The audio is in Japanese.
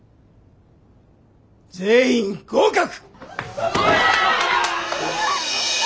全員合格！